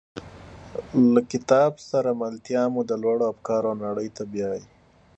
له کتاب سره ملتیا مو د لوړو افکارو نړۍ ته بیایي.